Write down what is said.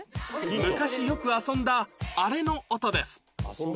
昔よく遊んだアレの音です